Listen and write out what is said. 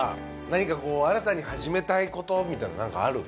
何かこう新たに始めたいことみたいなの何かある？